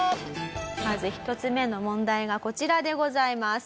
まず１つ目の問題がこちらでございます。